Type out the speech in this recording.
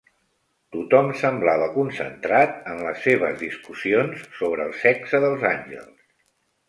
Tothom semblava concentrat en les seves discussions sobre el sexe dels àngels.